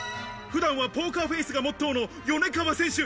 普段はポーカーフェイスがモットーの米川選手。